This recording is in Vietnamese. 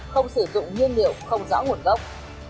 không sử dụng nhiên liệu không rõ nguồn gốc